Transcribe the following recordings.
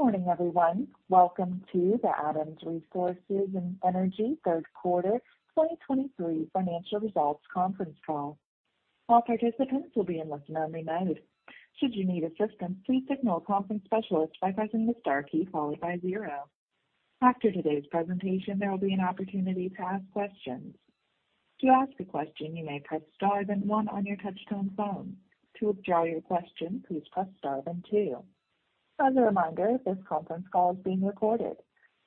Good morning, everyone. Welcome to the Adams Resources & Energy Third Quarter 2023 Financial Results Conference Call. All participants will be in listen-only mode. Should you need assistance, please signal a conference specialist by pressing the star key followed by zero. After today's presentation, there will be an opportunity to ask questions. To ask a question, you may press star then one on your touchtone phone. To withdraw your question, please press star then two. As a reminder, this conference call is being recorded.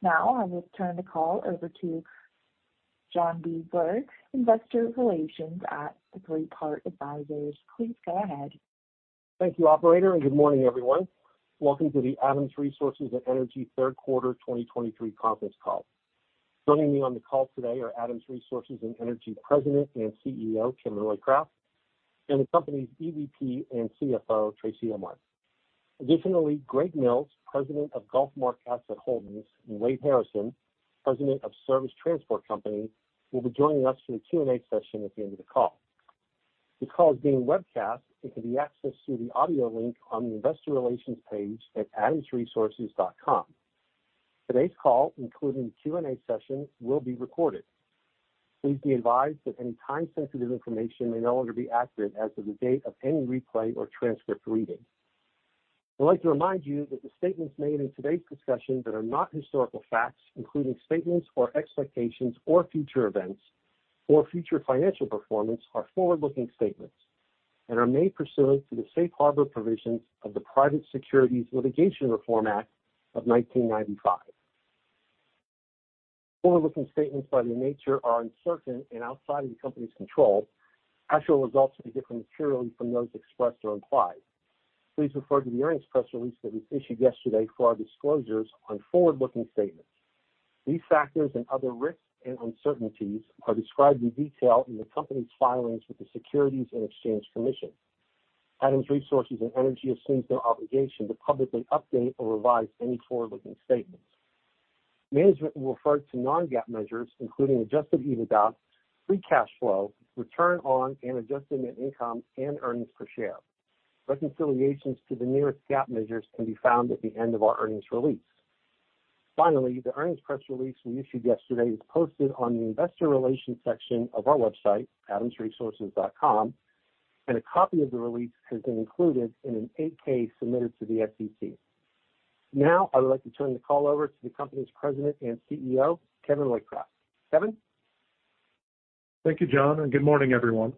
Now I will turn the call over to John Beisler, Investor Relations at Three Part Advisors. Please go ahead. Thank you, operator, and good morning, everyone. Welcome to the Adams Resources & Energy Third Quarter 2023 Conference Call. Joining me on the call today are Adams Resources & Energy President and CEO, Kevin Roycraft, and the company's EVP and CFO, Tracy Ohmart. Additionally, Greg Mills, President of GulfMark Energy, Inc., and Wade Harrison, President of Service Transport Company, will be joining us for the Q&A session at the end of the call. The call is being webcast and can be accessed through the audio link on the Investor Relations page at adamsresources.com. Today's call, including the Q&A session, will be recorded. Please be advised that any time-sensitive information may no longer be accurate as of the date of any replay or transcript reading. I'd like to remind you that the statements made in today's discussion that are not historical facts, including statements or expectations or future events or future financial performance, are forward-looking statements and are made pursuant to the Safe Harbor provisions of the Private Securities Litigation Reform Act of 1995. Forward-looking statements, by their nature, are uncertain and outside of the company's control. Actual results may be different materially from those expressed or implied. Please refer to the earnings press release that we issued yesterday for our disclosures on forward-looking statements. These factors and other risks and uncertainties are described in detail in the company's filings with the Securities and Exchange Commission. Adams Resources & Energy assumes no obligation to publicly update or revise any forward-looking statements. Management will refer to non-GAAP measures, including adjusted EBITDA, free cash flow, return on and adjusted net income and earnings per share. Reconciliations to the nearest GAAP measures can be found at the end of our earnings release. Finally, the earnings press release we issued yesterday is posted on the Investor Relations section of our website, adamsresources.com, and a copy of the release has been included in an 8-K submitted to the SEC. Now, I would like to turn the call over to the company's President and CEO, Kevin Roycraft. Kevin? Thank you, John, and good morning, everyone.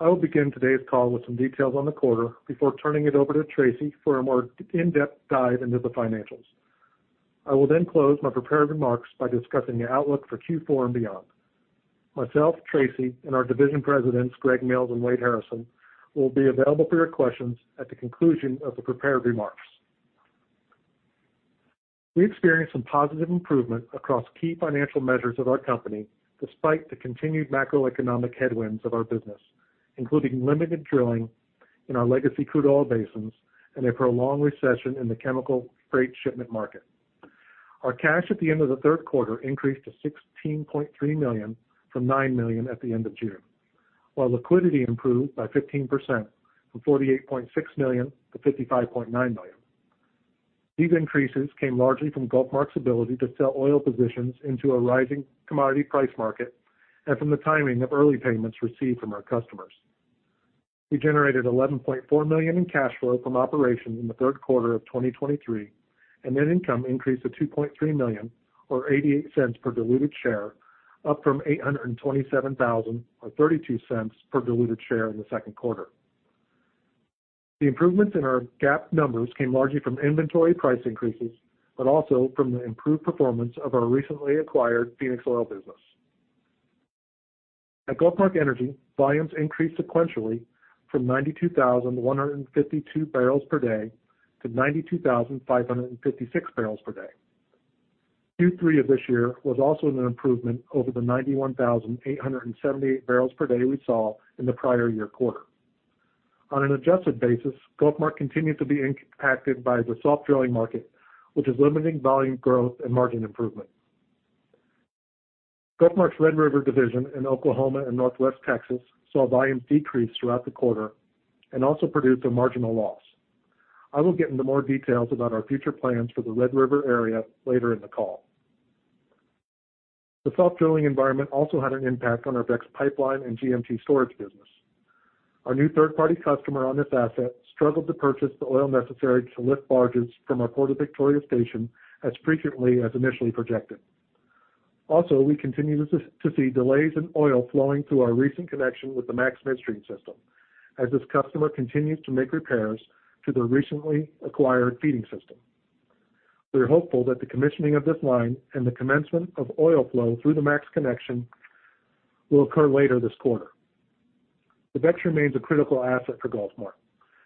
I will begin today's call with some details on the quarter before turning it over to Tracy for a more in-depth dive into the financials. I will then close my prepared remarks by discussing the outlook for Q4 and beyond. Tracy and I, and our division presidents, Greg Mills and Wade Harrison, will be available for your questions at the conclusion of the prepared remarks. We experienced some positive improvement across key financial measures of our company, despite the continued macroeconomic headwinds of our business, including limited drilling in our legacy crude oil basins and a prolonged recession in the chemical freight shipment market. Our cash at the end of the third quarter increased to $16.3 million from $9 million at the end of June, while liquidity improved by 15%, from $48.6 million to $55.9 million. These increases came largely from GulfMark's ability to sell oil positions into a rising commodity price market and from the timing of early payments received from our customers. We generated $11.4 million in cash flow from operations in the third quarter of 2023, and net income increased to $2.3 million, or $0.88 per diluted share, up from $827,000 or $0.32 per diluted share in the second quarter. The improvements in our GAAP numbers came largely from inventory price increases, but also from the improved performance of our recently acquired Phoenix Oil business. At GulfMark Energy, volumes increased sequentially from 92,152 barrels per day to 92,556 barrels per day. Q3 of this year was also an improvement over the 91,878 barrels per day we saw in the prior year quarter. On an adjusted basis, GulfMark continued to be impacted by the soft drilling market, which is limiting volume growth and margin improvement. GulfMark's Red River division in Oklahoma and Northwest Texas saw volumes decrease throughout the quarter and also produced a marginal loss. I will get into more details about our future plans for the Red River area later in the call. The soft drilling environment also had an impact on our VEX Pipeline and GMT storage business. Our new third-party customer on this asset struggled to purchase the oil necessary to lift barges from our Port of Victoria station as frequently as initially projected. Also, we continue to see delays in oil flowing through our recent connection with the Max Midstream system as this customer continues to make repairs to the recently acquired feeding system. We are hopeful that the commissioning of this line and the commencement of oil flow through the Max connection will occur later this quarter. The VEX remains a critical asset for GulfMark.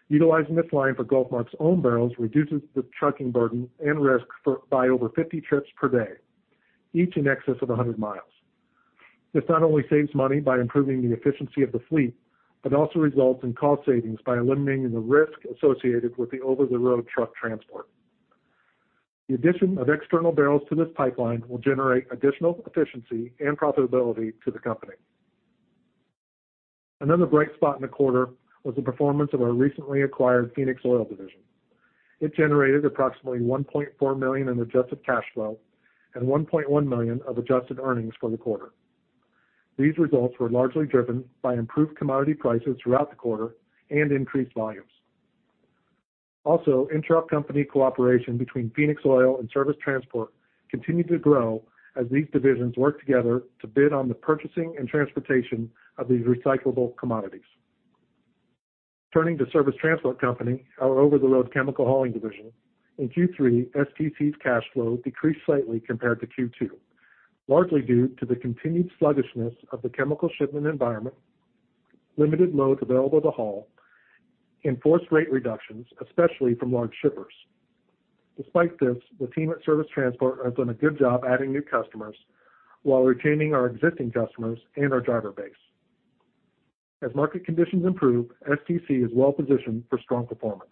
Utilizing this line for GulfMark's own barrels reduces the trucking burden and risk by over 50 trips per day, each in excess of 100 miles. This not only saves money by improving the efficiency of the fleet, but also results in cost savings by eliminating the risk associated with the over-the-road truck transport. The addition of external barrels to this pipeline will generate additional efficiency and profitability to the company. Another bright spot in the quarter was the performance of our recently acquired Phoenix Oil division. It generated approximately $1.4 million in adjusted cash flow and $1.1 million of adjusted earnings for the quarter. These results were largely driven by improved commodity prices throughout the quarter and increased volumes. Also, intracompany cooperation between Phoenix Oil and Service Transport continued to grow as these divisions worked together to bid on the purchasing and transportation of these recyclable commodities. Turning to Service Transport Company, our over-the-road chemical hauling division, in Q3, STC's cash flow decreased slightly compared to Q2, largely due to the continued sluggishness of the chemical shipment environment, limited loads available to haul, and forced rate reductions, especially from large shippers. Despite this, the team at Service Transport has done a good job adding new customers while retaining our existing customers and our driver base. As market conditions improve, STC is well-positioned for strong performance.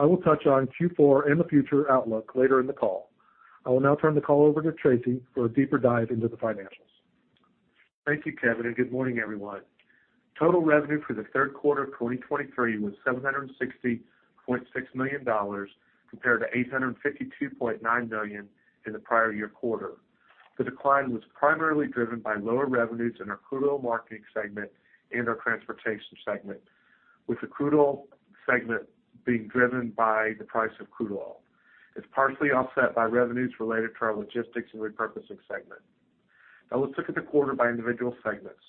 I will touch on Q4 and the future outlook later in the call. I will now turn the call over to Tracy for a deeper dive into the financials. Thank you, Kevin, and good morning, everyone. Total revenue for the third quarter of 2023 was $760.6 million, compared to $852.9 million in the prior year quarter. The decline was primarily driven by lower revenues in our crude oil marketing segment and our transportation segment, with the crude oil segment being driven by the price of crude oil. It's partially offset by revenues related to our logistics and repurposing segment. Now let's look at the quarter by individual segments.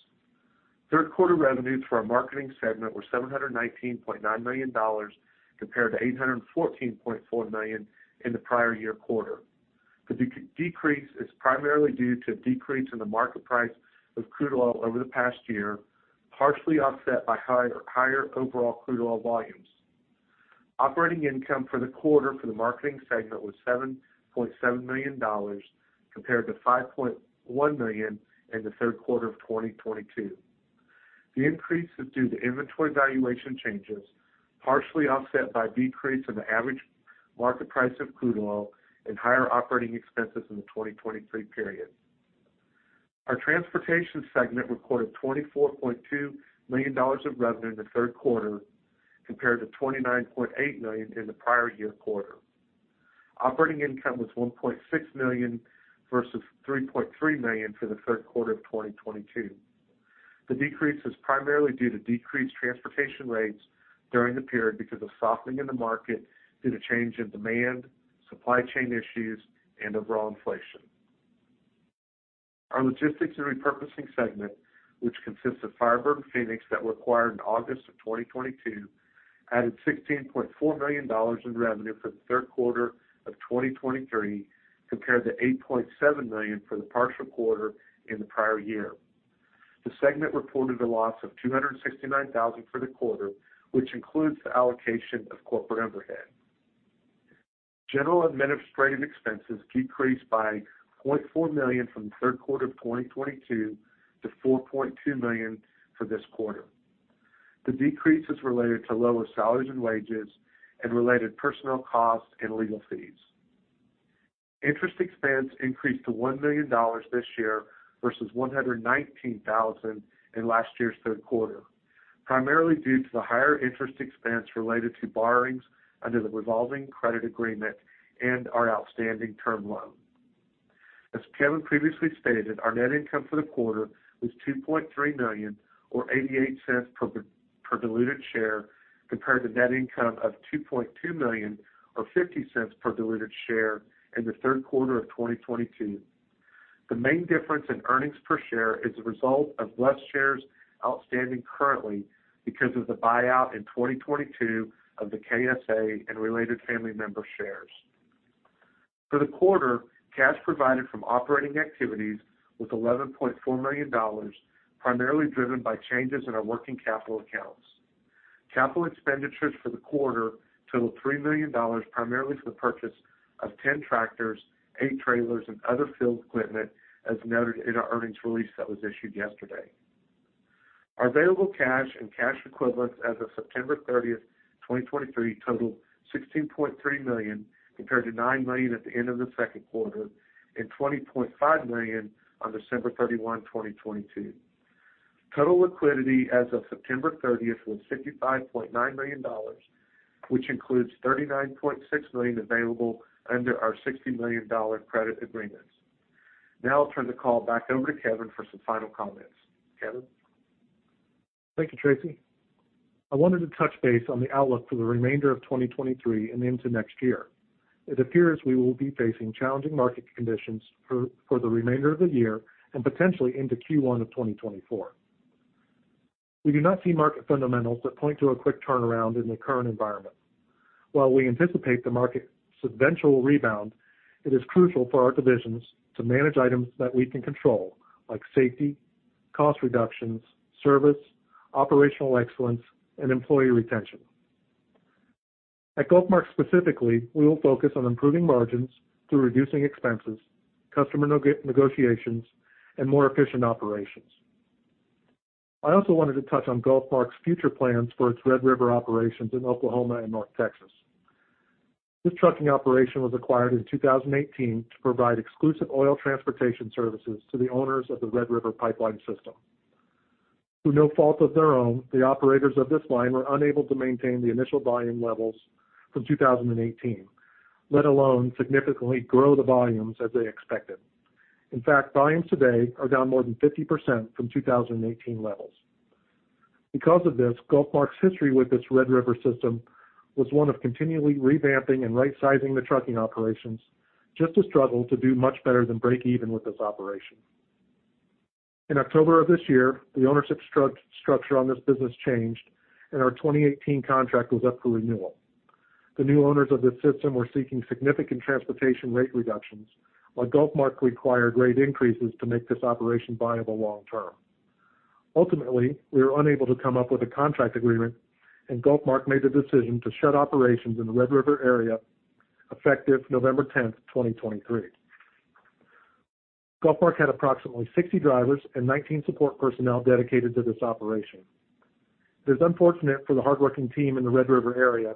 Third quarter revenues for our marketing segment were $719.9 million, compared to $814.4 million in the prior year quarter. The decrease is primarily due to a decrease in the market price of crude oil over the past year, partially offset by higher overall crude oil volumes. Operating income for the quarter for the marketing segment was $7.7 million, compared to $5.1 million in the third quarter of 2022. The increase is due to inventory valuation changes, partially offset by decreases in the average market price of crude oil and higher operating expenses in the 2023 period. Our transportation segment recorded $24.2 million of revenue in the third quarter, compared to $29.8 million in the prior year quarter. Operating income was $1.6 million versus $3.3 million for the third quarter of 2022. The decrease is primarily due to decreased transportation rates during the period because of softening in the market due to change in demand, supply chain issues, and overall inflation. Our logistics and repurposing segment, which consists of Firebird and Phoenix, that were acquired in August of 2022, added $16.4 million in revenue for the third quarter of 2023, compared to $8.7 million for the partial quarter in the prior year. The segment reported a loss of $269,000 for the quarter, which includes the allocation of corporate overhead. General administrative expenses decreased by $0.4 million from the third quarter of 2022 to $4.2 million for this quarter. The decrease is related to lower salaries and wages and related personnel costs and legal fees. Interest expense increased to $1 million this year versus $119,000 in last year's third quarter, primarily due to the higher interest expense related to borrowings under the revolving credit agreement and our outstanding term loan. As Kevin previously stated, our net income for the quarter was $2.3 million, or $0.88 per diluted share, compared to net income of $2.2 million, or $0.50 per diluted share in the third quarter of 2022. The main difference in earnings per share is a result of less shares outstanding currently because of the buyout in 2022 of the KSA and related family member shares. For the quarter, cash provided from operating activities was $11.4 million, primarily driven by changes in our working capital accounts. Capital expenditures for the quarter totaled $3 million, primarily for the purchase of 10 tractors, 8 trailers, and other field equipment, as noted in our earnings release that was issued yesterday. Our available cash and cash equivalents as of September 30, 2023, totaled $16.3 million, compared to $9 million at the end of the second quarter and $20.5 million on December 31, 2022. Total liquidity as of September 30 was $65.9 million, which includes $39.6 million available under our $60 million credit agreements. Now I'll turn the call back over to Kevin for some final comments. Kevin? Thank you, Tracy. I wanted to touch base on the outlook for the remainder of 2023 and into next year. It appears we will be facing challenging market conditions for the remainder of the year and potentially into Q1 of 2024. We do not see market fundamentals that point to a quick turnaround in the current environment. While we anticipate the market's eventual rebound, it is crucial for our divisions to manage items that we can control, like safety, cost reductions, service, operational excellence, and employee retention. At GulfMark specifically, we will focus on improving margins through reducing expenses, customer negotiations, and more efficient operations. I also wanted to touch on GulfMark's future plans for its Red River operations in Oklahoma and North Texas. This trucking operation was acquired in 2018 to provide exclusive oil transportation services to the owners of the Red River Pipeline system. Through no fault of their own, the operators of this line were unable to maintain the initial volume levels from 2018, let alone significantly grow the volumes as they expected. In fact, volumes today are down more than 50% from 2018 levels. Because of this, GulfMark's history with this Red River system was one of continually revamping and rightsizing the trucking operations, just to struggle to do much better than break even with this operation. In October of this year, the ownership structure on this business changed, and our 2018 contract was up for renewal. The new owners of this system were seeking significant transportation rate reductions, while GulfMark required rate increases to make this operation viable long term. Ultimately, we were unable to come up with a contract agreement, and GulfMark made the decision to shut operations in the Red River area, effective November 10, 2023. GulfMark had approximately 60 drivers and 19 support personnel dedicated to this operation. It is unfortunate for the hardworking team in the Red River area,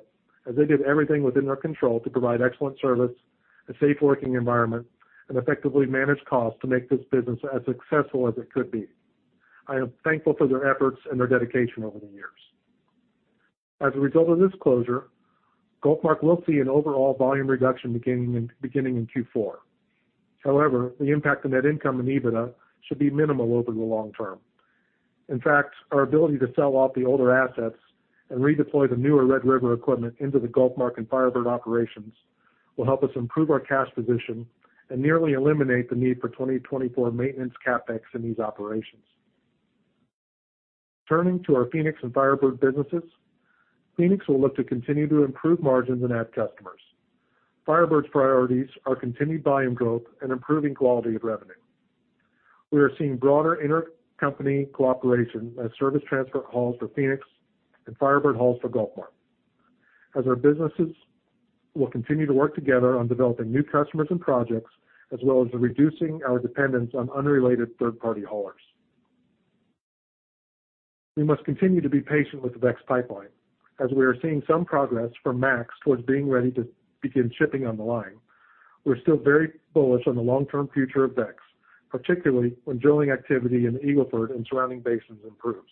as they did everything within their control to provide excellent service, a safe working environment, and effectively manage costs to make this business as successful as it could be. I am thankful for their efforts and their dedication over the years. As a result of this closure, GulfMark will see an overall volume reduction beginning in Q4. However, the impact on net income and EBITDA should be minimal over the long term. In fact, our ability to sell off the older assets and redeploy the newer Red River equipment into the GulfMark and Firebird operations will help us improve our cash position and nearly eliminate the need for 2024 maintenance CapEx in these operations. Turning to our Phoenix and Firebird businesses, Phoenix will look to continue to improve margins and add customers. Firebird's priorities are continued volume growth and improving quality of revenue. We are seeing broader intercompany cooperation as service transport hauls for Phoenix and Firebird hauls for GulfMark, as our businesses will continue to work together on developing new customers and projects, as well as reducing our dependence on unrelated third-party haulers. We must continue to be patient with the VEX Pipeline. As we are seeing some progress from Max towards being ready to begin shipping on the line, we're still very bullish on the long-term future of VEX, particularly when drilling activity in the Eagle Ford and surrounding basins improves.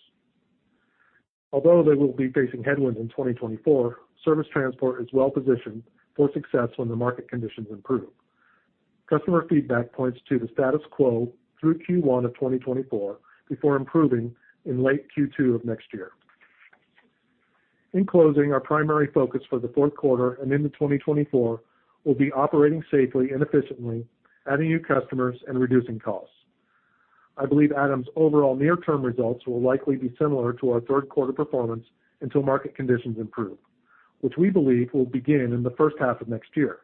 Although they will be facing headwinds in 2024, service transport is well positioned for success when the market conditions improve. Customer feedback points to the status quo through Q1 of 2024, before improving in late Q2 of next year. In closing, our primary focus for the fourth quarter and into 2024 will be operating safely and efficiently, adding new customers and reducing costs. I believe Adams overall near-term results will likely be similar to our third quarter performance until market conditions improve, which we believe will begin in the first half of next year.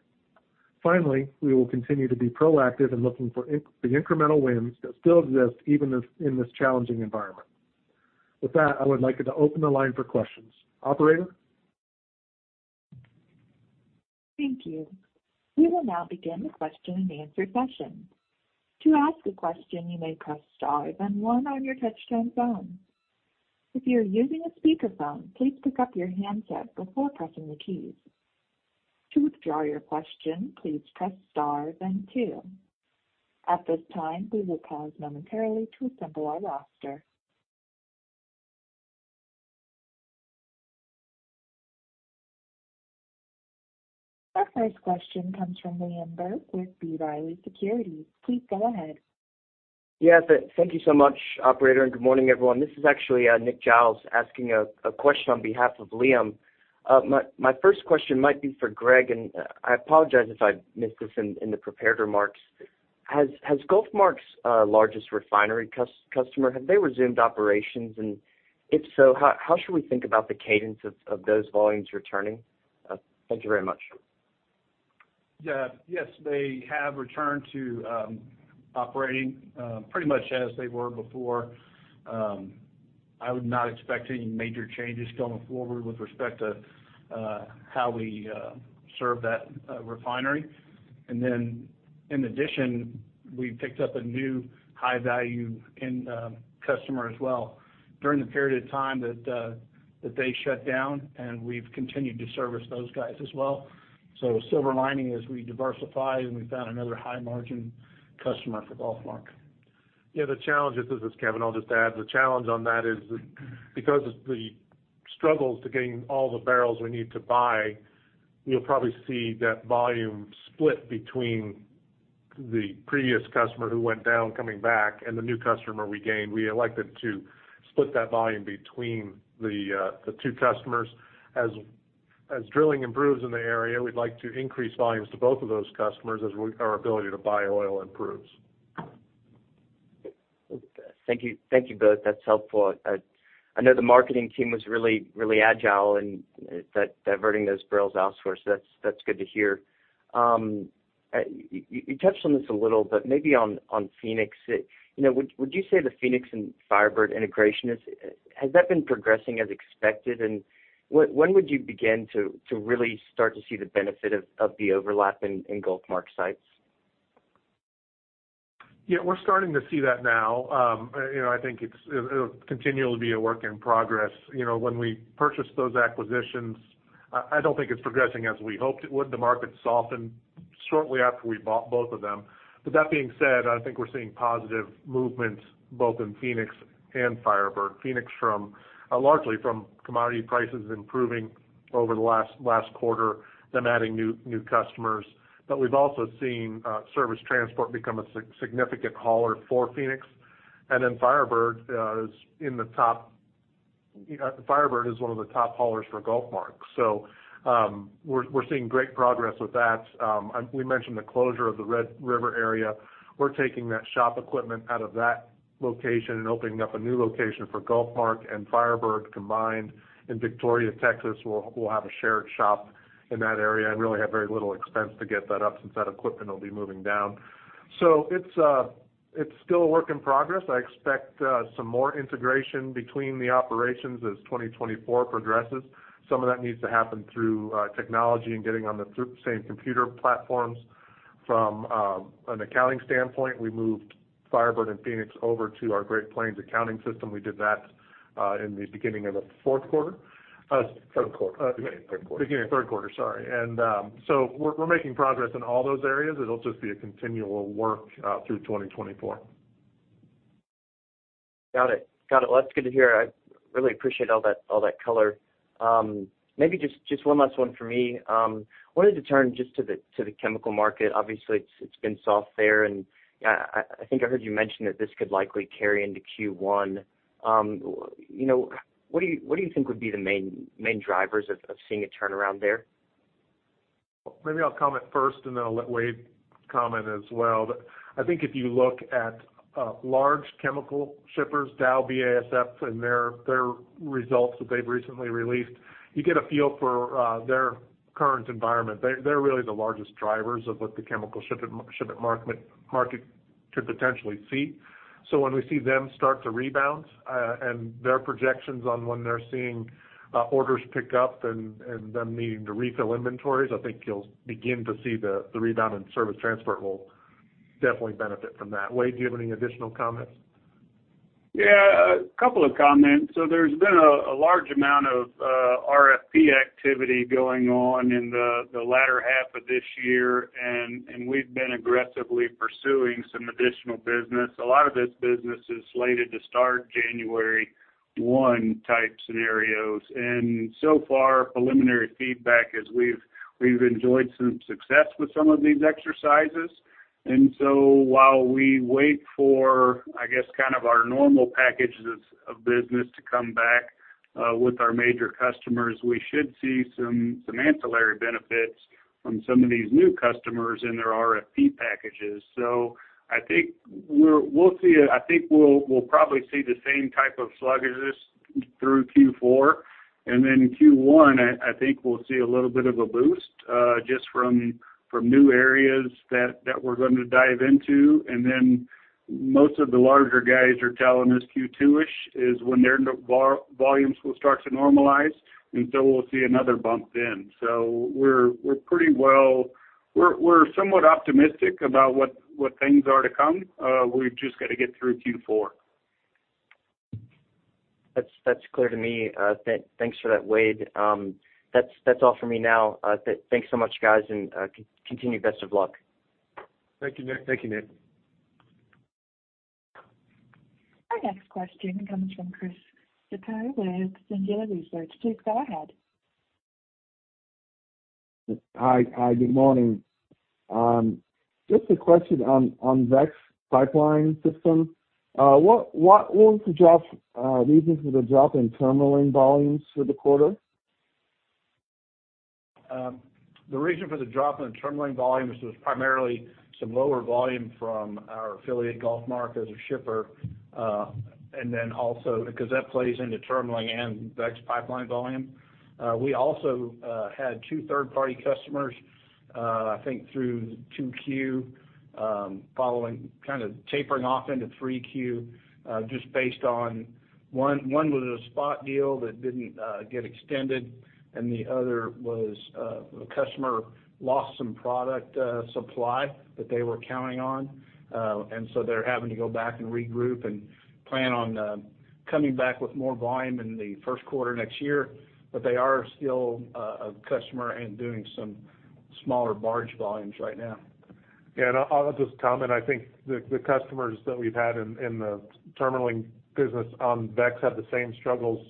Finally, we will continue to be proactive in looking for the incremental wins that still exist even as in this challenging environment. With that, I would like to open the line for questions. Operator? Thank you. We will now begin the question-and-answer session. To ask a question, you may press star then one on your touchtone phone. If you're using a speakerphone, please pick up your handset before pressing the keys. To withdraw your question, please press star then two. At this time, we will pause momentarily to assemble our roster. Our first question comes from Liam Burke with B. Riley Securities. Please go ahead. Thank you so much, operator, and good morning, everyone. This is actually Nick Giles asking a question on behalf of Liam. My first question might be for Greg, and I apologize if I missed this in the prepared remarks. Has GulfMark's largest refinery customer have they resumed operations? And if so, how should we think about the cadence of those volumes returning? Thank you very much. Yes, they have returned to operating pretty much as they were before. I would not expect any major changes going forward with respect to how we serve that refinery. And then, in addition, we picked up a new high-value end customer as well during the period of time that that they shut down, and we've continued to service those guys as well. So silver lining is we diversify, and we found another high-margin customer for GulfMark. Yeah, the challenge is, this is Kevin, I'll just add, the challenge on that is that because of the struggles to getting all the barrels we need to buy, you'll probably see that volume split between the previous customer who went down, coming back, and the new customer we gained. We elected to split that volume between the two customers. As drilling improves in the area, we'd like to increase volumes to both of those customers as our ability to buy oil improves. Thank you. Thank you both. That's helpful. I know the marketing team was really, really agile in diverting those barrels elsewhere, so that's, that's good to hear. You touched on this a little, but maybe on Phoenix, would you say the Phoenix and Firebird integration has that been progressing as expected? And when would you begin to really start to see the benefit of, of the overlap in, in GulfMark sites? We're starting to see that now. I think it's, it'll continually be a work in progress. When we purchased those acquisitions, I don't think it's progressing as we hoped it would. The market softened shortly after we bought both of them. But that being said, I think we're seeing positive movements both in Phoenix and Firebird. Phoenix from largely from commodity prices improving over the last quarter, them adding new customers. But we've also seen Service Transport become a significant hauler for Phoenix. And then Firebird is in the top Firebird is one of the top haulers for GulfMark. So, we're seeing great progress with that. And we mentioned the closure of the Red River area. We're taking that shop equipment out of that location and opening up a new location for GulfMark and Firebird combined in Victoria, Texas. We'll have a shared shop in that area and really have very little expense to get that up, since that equipment will be moving down. So it's still a work in progress. I expect some more integration between the operations as 2024 progresses. Some of that needs to happen through technology and getting on the same computer platforms. From an accounting standpoint, we moved Firebird and Phoenix over to our Great Plains accounting system. We did that in the beginning of the fourth quarter. Third quarter, beginning of third quarter, sorry. And, so we're making progress in all those areas. It'll just be a continual work through 2024. Got it. Well, that's good to hear. I really appreciate all that, all that color. Maybe just one last one for me. Wanted to turn just to the chemical market. Obviously, it's been soft there, and I think I heard you mention that this could likely carry into Q1. What do you think would be the main drivers of seeing a turnaround there? Maybe I'll comment first, and then I'll let Wade comment as well. But I think if you look at large chemical shippers, Dow, BASF and their results that they've recently released, you get a feel for their current environment. They're really the largest drivers of what the chemical shipping market could potentially see. So when we see them start to rebound, and their projections on when they're seeing orders pick up and them needing to refill inventories, I think you'll begin to see the rebound, and Service Transport will definitely benefit from that. Wade, do you have any additional comments? Yeah, a couple of comments. So there's been a large amount of RFP activity going on in the latter half of this year, and we've been aggressively pursuing some additional business. A lot of this business is slated to start January 1 type scenarios, and so far, preliminary feedback is we've enjoyed some success with some of these exercises. And so while we wait for, I guess, kind of our normal packages of business to come back with our major customers, we should see some ancillary benefits from some of these new customers in their RFP packages. So I think we'll probably see the same type of sluggishness through Q4, and then in Q1, I think we'll see a little bit of a boost, just from new areas that we're going to dive into. And then most of the larger guys are telling us Q2-ish is when their volumes will start to normalize, and so we'll see another bump then. So we're pretty well. We're somewhat optimistic about what things are to come. We've just got to get through Q4. That's clear to me. Thanks for that, Wade. That's all for me now. Thanks so much, guys, and continued best of luck. Thank you, Nick. Thank you, Nick. Our next question comes from Chris Sipos with Stifel Research. Chris, go ahead. Hi, hi, good morning. Just a question on, on VEX Pipeline system. What, what was the drop, reason for the drop in terminalling volumes for the quarter? The reason for the drop in the terminalling volumes was primarily some lower volume from our affiliate, GulfMark, as a shipper, and then also because that plays into terminalling and VEX pipeline volume. We also had two third-party customers, I think through 2Q, following, kind of tapering off into 3Q, just based on one, one was a spot deal that didn't get extended, and the other was, a customer lost some product supply that they were counting on. And so they're having to go back and regroup and plan on, coming back with more volume in the first quarter next year. But they are still a customer and doing some smaller barge volumes right now. Yeah, and I'll just comment. I think the customers that we've had in the terminalling business on VEX have the same struggles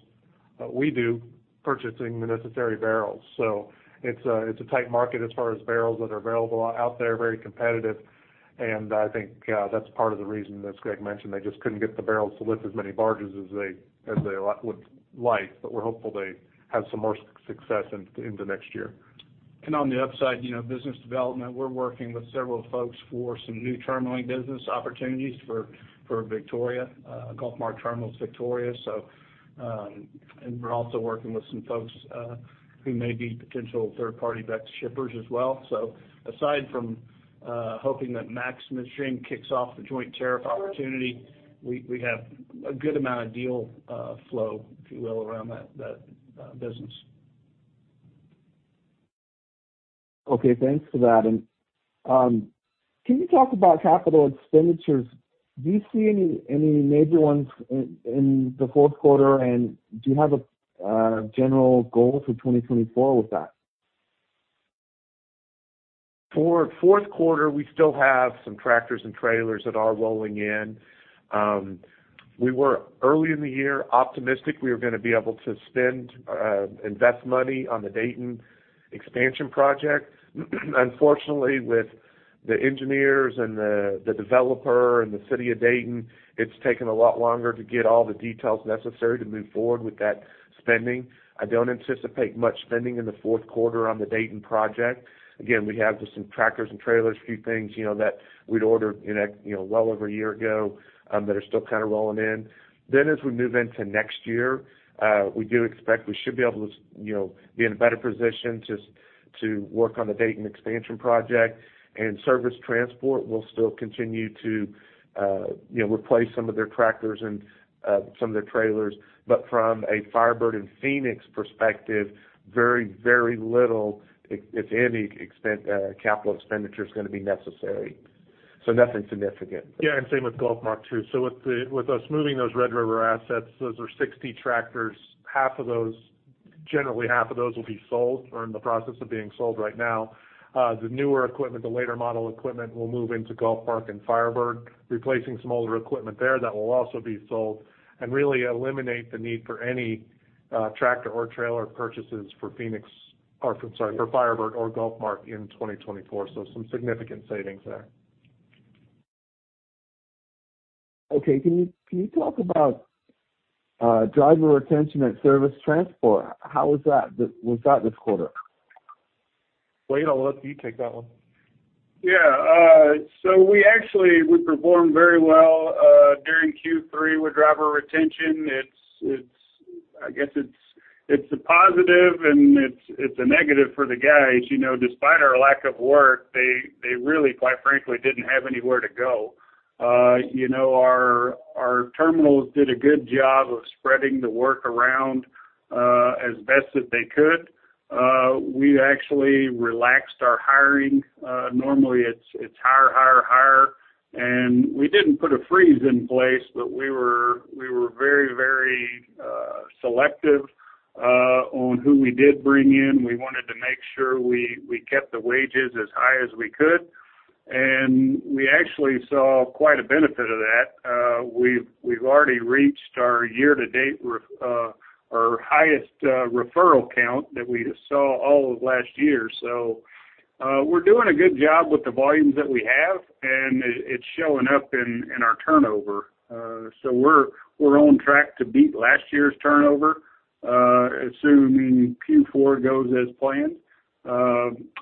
that we do, purchasing the necessary barrels. So it's a tight market as far as barrels that are available out there, very competitive, and I think that's part of the reason, as Greg mentioned, they just couldn't get the barrels to lift as many barges as they would like, but we're hopeful they have some more success in the next year. On the upside business development, we're working with several folks for some new terminalling business opportunities for Victoria, GulfMark Terminals' Victoria. So, we're also working with some folks who may be potential third-party VEX shippers as well. So aside from hoping that Max Midstream kicks off the joint tariff opportunity, we have a good amount of deal flow, if you will, around that business. Okay, thanks for that. And can you talk about capital expenditures? Do you see any major ones in the fourth quarter, and do you have a general goal for 2024 with that? For fourth quarter, we still have some tractors and trailers that are rolling in. We were early in the year optimistic we were going to be able to spend, invest money on the Dayton expansion project. Unfortunately, with the engineers and the developer and the city of Dayton, it's taken a lot longer to get all the details necessary to move forward with that spending. I don't anticipate much spending in the fourth quarter on the Dayton project. Again, we have just some tractors and trailers, a few things that we'd ordered in well over a year ago, that are still kind of rolling in. Then as we move into next year, we do expect we should be able to be in a better position to work on the Dayton expansion project, and Service Transport will still continue to replace some of their tractors and some of their trailers. But from a Firebird and Phoenix perspective, very, very little, if any capital expenditure is going to be necessary. So nothing significant. Yeah, and same with GulfMark too. So with us moving those Red River assets, those are 60 tractors. Half of those, generally, half of those will be sold or in the process of being sold right now. The newer equipment, the later model equipment, will move into GulfMark and Firebird, replacing some older equipment there that will also be sold and really eliminate the need for any tractor or trailer purchases for Phoenix, or I'm sorry, for Firebird or GulfMark in 2024. So some significant savings there. Okay. Can you, can you talk about, driver retention at Service Transport? How is that, was that this quarter? Wayne, I'll let you take that one. So we actually performed very well during Q3 with driver retention. It's, I guess it's a positive and it's a negative for the guys. Despite our lack of work, they really, quite frankly, didn't have anywhere to go. Our terminals did a good job of spreading the work around as best as they could. We actually relaxed our hiring. Normally, it's hire, hire, hire, and we didn't put a freeze in place, but we were very, very selective on who we did bring in. We wanted to make sure we kept the wages as high as we could, and we actually saw quite a benefit of that. We've already reached our year-to-date our highest referral count that we saw all of last year. So, we're doing a good job with the volumes that we have, and it's showing up in our turnover. So we're on track to beat last year's turnover, assuming Q4 goes as planned.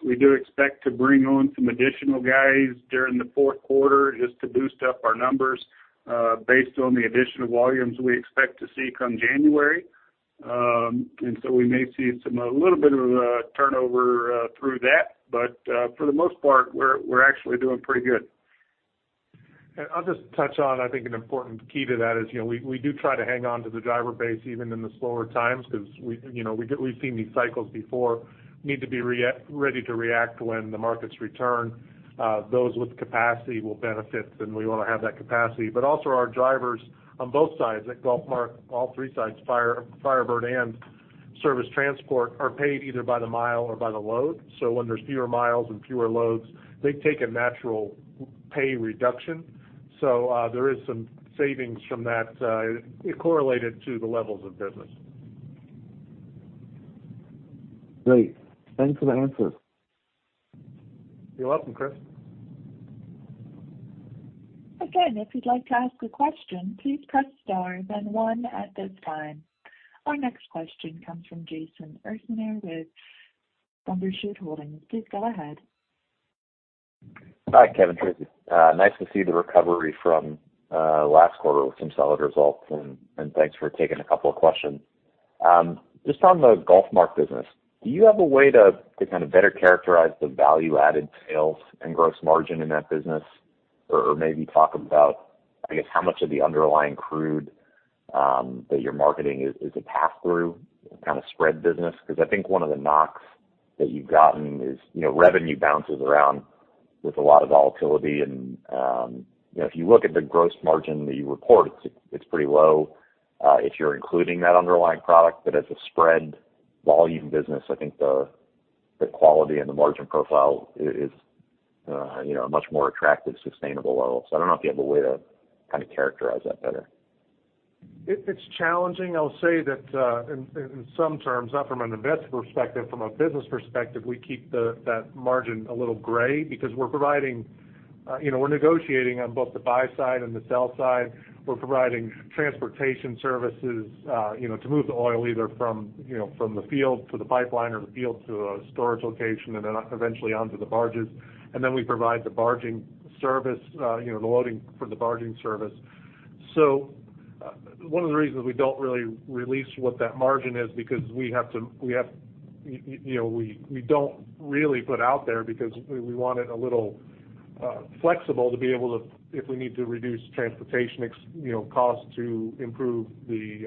We do expect to bring on some additional guys during the fourth quarter just to boost up our numbers, based on the additional volumes we expect to see come January. And so we may see some, a little bit of, turnover through that. But, for the most part, we're actually doing pretty good. I'll just touch on, I think, an important key to that is we do try to hang on to the driver base even in the slower times because we've seen these cycles before, need to be ready to react when the markets return. Those with capacity will benefit, and we want to have that capacity. But also our drivers on both sides, at GulfMark, all three sides, Firebird and Service Transport, are paid either by the mile or by the load. So when there's fewer miles and fewer loads, they take a natural pay reduction. So, there is some savings from that, it correlated to the levels of business. Great. Thanks for the answer. You're welcome, Chris. Again, if you'd like to ask a question, please press Star then One at this time. Our next question comes from Jason Ursaner with Bumbershoot Holdings. Please go ahead. Hi, Kevin, Tracy. Nice to see the recovery from last quarter with some solid results, and thanks for taking a couple of questions. Just on the GulfMark business, do you have a way to kind of better characterize the value-added sales and gross margin in that business? Or maybe talk about, I guess, how much of the underlying crude that you're marketing is a pass-through kind of spread business. Because I think one of the knocks that you've gotten is revenue bounces around with a lot of volatility, and if you look at the gross margin that you report, it's pretty low if you're including that underlying product. But as a spread volume business, I think the quality and the margin profile is a much more attractive, sustainable level. I don't know if you have a way to kind of characterize that better. It's challenging. I'll say that in some terms, not from an investment perspective, from a business perspective, we keep that margin a little gray because we're negotiating on both the buy side and the sell side. We're providing transportation services to move the oil either from the field to the pipeline or the field to a storage location, and then eventually onto the barges. And then we provide the barging service the loading for the barging service. So one of the reasons we don't really release what that margin is because we have to we don't really put out there because we want it a little... Flexible to be able to, if we need to reduce transportation cost to improve the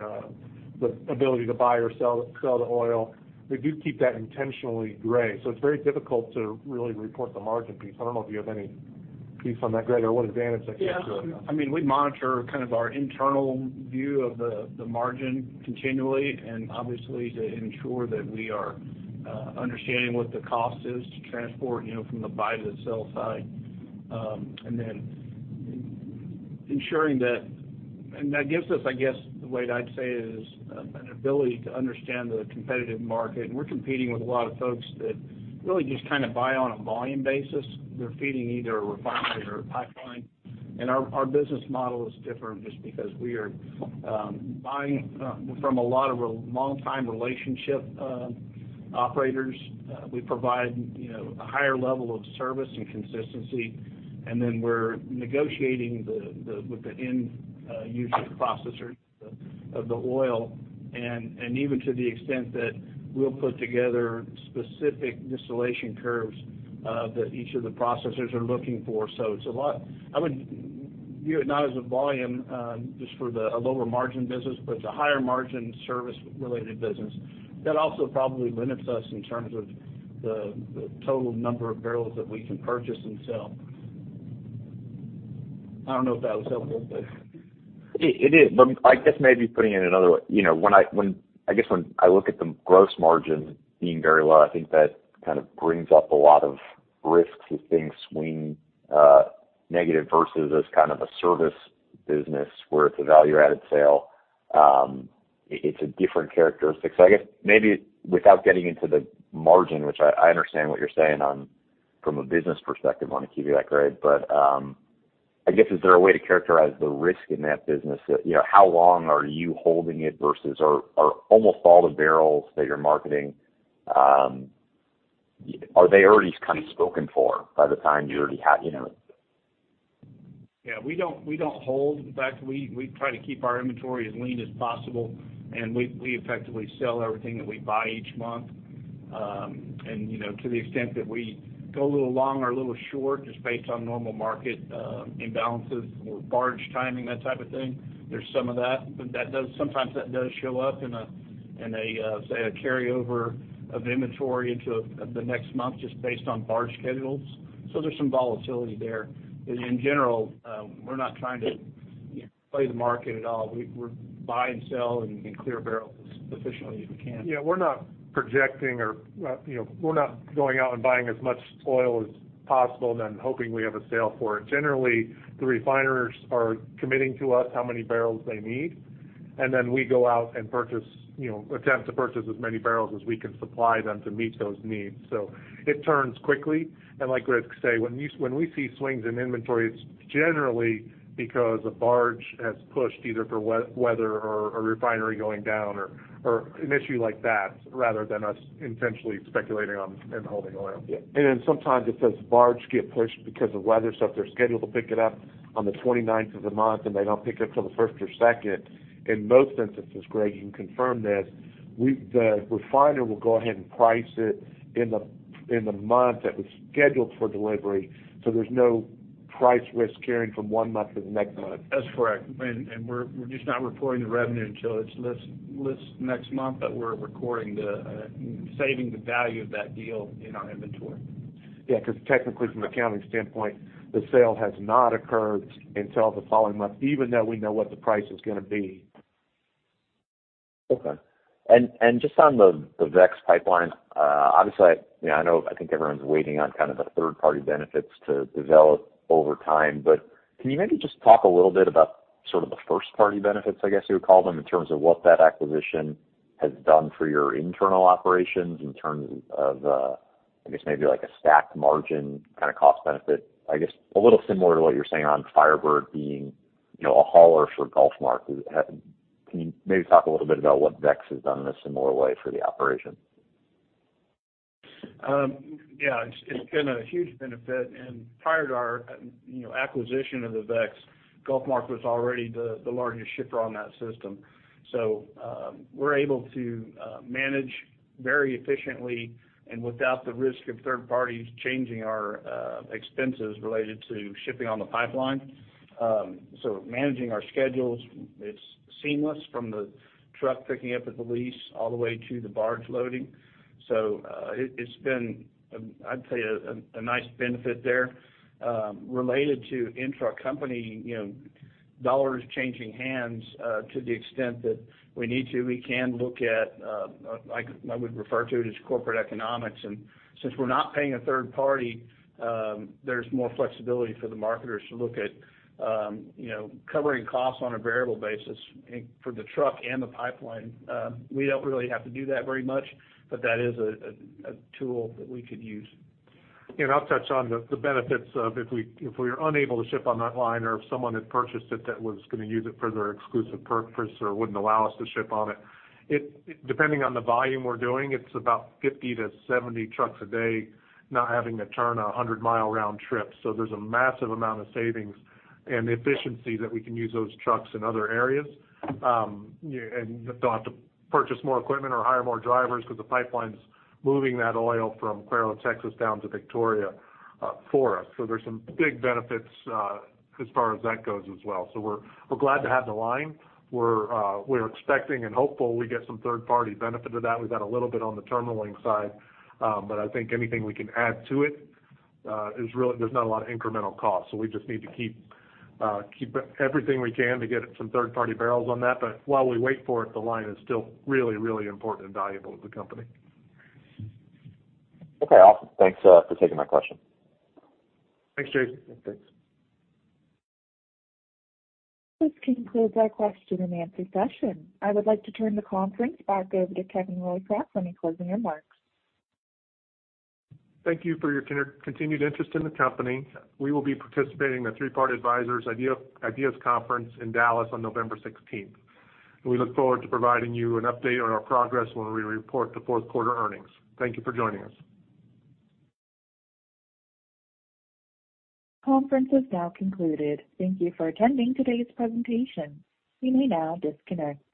ability to buy or sell the oil. We do keep that intentionally gray, so it's very difficult to really report the margin piece. I don't know if you have any piece on that, Greg, or what advantage I can get to it. We monitor kind of our internal view of the margin continually, and obviously, to ensure that we are understanding what the cost is to transport from the buy to the sell side. And then ensuring that. And that gives us, I guess, the way I'd say it is, an ability to understand the competitive market. And we're competing with a lot of folks that really just kind of buy on a volume basis. They're feeding either a refinery or a pipeline. And our business model is different just because we are buying from a lot of long-time relationship operators. We provide, you know, a higher level of service and consistency, and then we're negotiating with the end user processors of the oil. Even to the extent that we'll put together specific distillation curves that each of the processors are looking for. So it's a lot. I would view it not as a volume just for a lower margin business, but it's a higher margin service-related business. That also probably limits us in terms of the total number of barrels that we can purchase and sell. I don't know if that was helpful. It is. But I guess maybe putting it another way, you know, I guess when I look at the gross margin being very low, I think that kind of brings up a lot of risks if things swing negative versus as a service business, where it's a value-added sale. It's a different characteristic. Maybe without getting into the margin, which I understand what you're saying on from a business perspective, I want to keep you that grade. But I guess, is there a way to characterize the risk in that business? How long are you holding it versus, are almost all the barrels that you're marketing, are they already kind of spoken for by the time you already have, you know? We don't hold. In fact, we try to keep our inventory as lean as possible, and we effectively sell everything that we buy each month. To the extent that we go a little long or a little short, just based on normal market imbalances or barge timing, that type of thing, there's some of that. But that does sometimes that does show up in a carryover of inventory into the next month, just based on barge schedules. So there's some volatility there. But in general, we're not trying to play the market at all. We're buy and clearing barrels as efficiently as we can. We're not projecting or we're not going out and buying as much oil as possible and then hoping we have a sale for it. Generally, the refiners are committing to us how many barrels they need, and then we go out and purchase attempt to purchase as many barrels as we can supply them to meet those needs. So it turns quickly. And like Greg say, when we see swings in inventory, it's generally because a barge has pushed, either for weather or a refinery going down or an issue like that, rather than us intentionally speculating on and holding oil. Yeah. And then, sometimes it says, barge, get pushed because of weather. So if they're scheduled to pick it up on the 29th of the month, and they don't pick it up till the 1st or 2nd, in most instances, Greg, you can confirm this, we've, the refiner will go ahead and price it in the, in the month that was scheduled for delivery, so there's no price risk carrying from one month to the next month. That's correct. And we're just not reporting the revenue until it's listed next month, but we're recording the saving the value of that deal in our inventory. Because technically, from an accounting standpoint, the sale has not occurred until the following month, even though we know what the price is going to be. Okay. And just on the VEX pipeline, obviously, I think everyone's waiting on the third-party benefits to develop over time. But can you maybe just talk a little bit about sort of the first-party benefits, I guess you would call them, in terms of what that acquisition has done for your internal operations, in terms of, I guess maybe like a stacked margin kind of cost benefit? I guess, a little similar to what you're saying on Firebird being a hauler for GulfMark. Can you maybe talk a little bit about what VEX has done in a similar way for the operation? It's been a huge benefit. Prior to our acquisition of the VEX, GulfMark was already the largest shipper on that system. So, we're able to manage very efficiently and without the risk of third parties changing our expenses related to shipping on the pipeline. So managing our schedules, it's seamless from the truck picking up at the lease all the way to the barge loading. It's been, I'd say, a nice benefit there. Related to intracompany dollars changing hands, to the extent that we need to, we can look at, I would refer to it as corporate economics. Since we're not paying a third party, there's more flexibility for the marketers to look at covering costs on a variable basis, and for the truck and the pipeline. We don't really have to do that very much, but that is a tool that we could use. I'll touch on the benefits of if we were unable to ship on that line, or if someone had purchased it that was going to use it for their exclusive purpose or wouldn't allow us to ship on it. Depending on the volume we're doing, it's about 50-70 trucks a day, not having to turn a 100-mile round trip. So there's a massive amount of savings and efficiency that we can use those trucks in other areas. Yeah, and don't have to purchase more equipment or hire more drivers, because the pipeline's moving that oil from Cuero, Texas, down to Victoria, Texas, for us. So there's some big benefits as far as that goes as well. So we're glad to have the line. We're expecting and hopeful we get some third-party benefit to that. We've got a little bit on the terminal side, but I think anything we can add to it is really. There's not a lot of incremental cost. So we just need to keep, keep everything we can to get some third-party barrels on that. But while we wait for it, the line is still really, really important and valuable to the company. Okay, awesome. Thanks, for taking my question. Thanks, Jason. Thanks. This concludes our question-and-answer session. I would like to turn the conference back over to Kevin Roycraft for any closing remarks. Thank you for your continued interest in the company. We will be participating in the Three-Part Advisors Ideas Conference in Dallas on November 16th. We look forward to providing you an update on our progress when we report the fourth quarter earnings. Thank you for joining us. Conference is now concluded. Thank you for attending today's presentation. You may now disconnect.